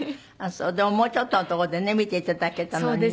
でももうちょっとのとこでね見ていただけたのにね。